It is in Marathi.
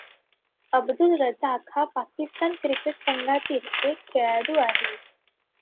अब्दुल रझाक हा पाकिस्तान क्रिकेट संघातील एक खेळाडू आहे.